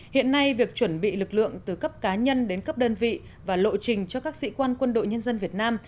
hiện nay việc chuẩn bị lực lượng từ cấp cá nhân đến cấp đơn vị và lộ trình cho các sĩ quan quân đội nhân dân việt nam